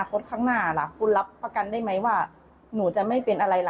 เพราะว่าตัวคุณก้อยผู้เสียหาย